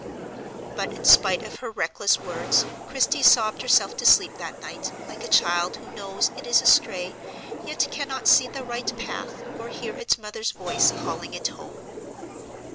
But in spite of her reckless words Christie sobbed herself to sleep that night like a child who knows it is astray, yet cannot see the right path or hear its mother's voice calling it home.